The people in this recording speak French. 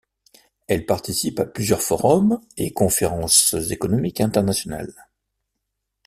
Elle participe à plusieurs forums et conférences économiques internationales.